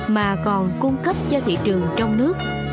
mà còn cung cấp cho thị trường trong nước